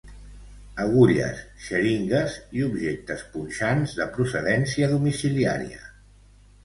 Agulles, xeringues i objectes punxants de procedència domiciliària.